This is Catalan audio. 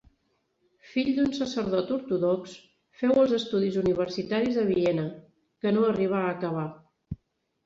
Fill d'un sacerdot ortodox, féu els estudis universitaris a Viena, que no arribà a acabar.